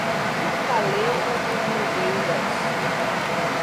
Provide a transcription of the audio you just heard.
Fortaleza dos Nogueiras